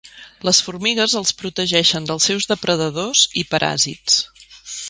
Les formigues els protegeixen dels seus depredadors i paràsits.